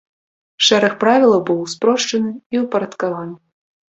Шэраг правілаў быў спрошчаны і ўпарадкаваны.